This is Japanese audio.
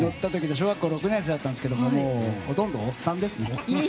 小学校６年生だったんですけどほとんどおっさんですね。